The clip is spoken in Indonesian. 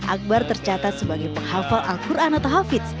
akbar tercatat sebagai penghafal al quran at tahafiq